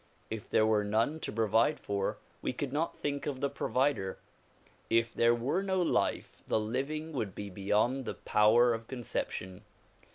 If there were none to provide for, we could not think of the "provider." If there were no life, the "living" would be beyond the power of conception.